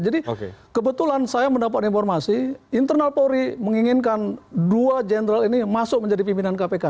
kebetulan saya mendapat informasi internal polri menginginkan dua jenderal ini masuk menjadi pimpinan kpk